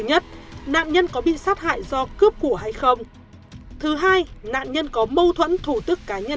nhất nạn nhân có bị sát hại do cướp của hay không thứ hai nạn nhân có mâu thuẫn thủ tức cá nhân